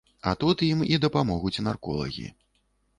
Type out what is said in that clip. А тут ім і дапамогуць нарколагі.